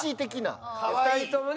２人ともね